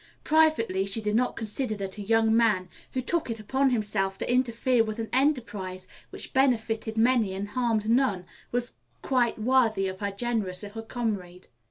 Privately she did not consider that a young man, who took it upon himself to interfere with an enterprise which benefited many and harmed none, was quite worthy of her generous little comrade.